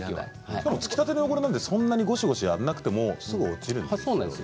つきたての汚れなのでそんなにゴシゴシやらなくても落ちるんですね。